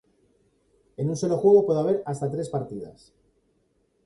En un solo juego puede haber hasta tres partidas.